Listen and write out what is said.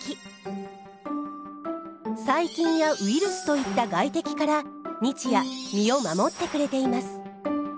細菌やウイルスといった外敵から日夜身を守ってくれています。